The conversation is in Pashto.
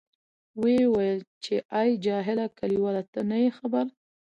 ویې ویل، چې آی جاهله کلیواله ته نه یې خبر.